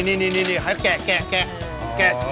นี่แกะ